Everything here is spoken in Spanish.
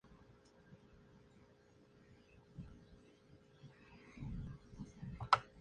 Las festividades incluyen distintos tipos de manifestaciones religiosas, costumbres y tradiciones del pueblo.